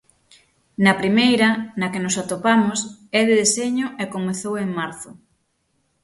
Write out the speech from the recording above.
Na primeira, na que nos atopamos, é de deseño e comezou en marzo.